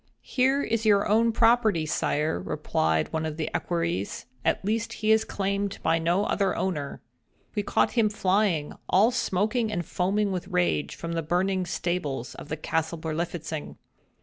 "He is your own property, sire," replied one of the equerries, "at least he is claimed by no other owner. We caught him flying, all smoking and foaming with rage, from the burning stables of the Castle Berlifitzing.